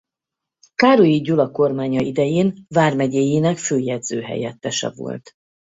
Károlyi Gyula kormánya idején vármegyéjének főjegyző helyettese volt.